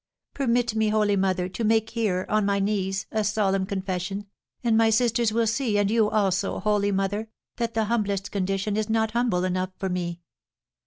"Permit me, holy mother, to make here, on my knees, a solemn confession; and my sisters will see, and you, also, holy mother, that the humblest condition is not humble enough for me."